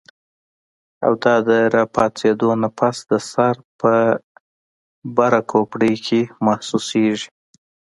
او دا د راپاسېدو نه پس د سر پۀ بره کوپړۍ کې محسوسيږي